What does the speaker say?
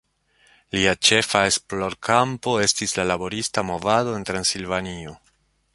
Lia ĉefa esplorkampo estis la laborista movado en Transilvanio.